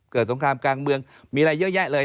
สงครามกลางเมืองมีอะไรเยอะแยะเลย